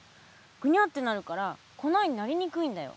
ぐにゃってなるから粉になりにくいんだよ。